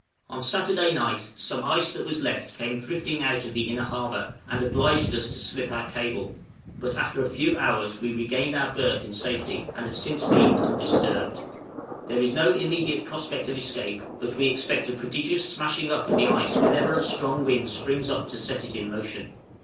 On Saturday night some ice that was left came drifting out of the inner harbor, and obliged us to slip our cable; but after a few hours we regained our berth in safety, and have since been undisturbed. There is no immediate prospect of escape, but we expect a prodigious smashing up of the ice whenever a strong wind springs up to set it in motion.